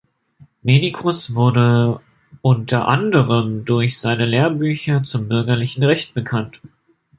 Medicus wurde unter anderem durch seine Lehrbücher zum bürgerlichen Recht bekannt.